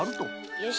よし。